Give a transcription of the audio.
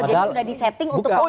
jadi sudah di setting untuk kongres